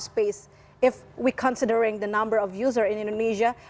jika kita mempertimbangkan jumlah pengguna di indonesia